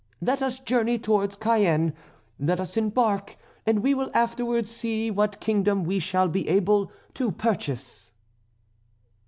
Let us journey towards Cayenne. Let us embark, and we will afterwards see what kingdom we shall be able to purchase."